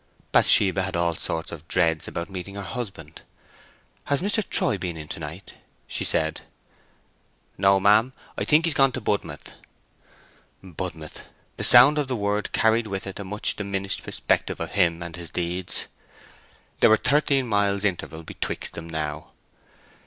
Bathsheba had all sorts of dreads about meeting her husband. "Has Mr. Troy been in to night?" she said. "No, ma'am; I think he's gone to Budmouth." Budmouth! The sound of the word carried with it a much diminished perspective of him and his deeds; there were thirteen miles interval betwixt them now.